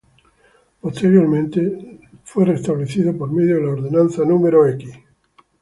Posteriormente fue restablecido por medio de la ordenanza No.